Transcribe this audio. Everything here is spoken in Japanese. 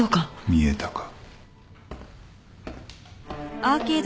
見えたか。